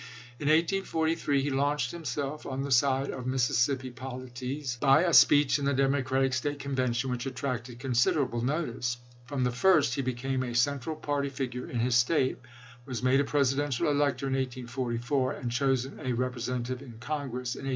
In 1843 he launched himself on the tide of Mississippi poli tics, by a speech in the Democratic State Conven tion, which attracted considerable notice. From the first he became a central party figure in his State, was made a Presidential elector in 1844, and chosen a Representative in Congress in 1845.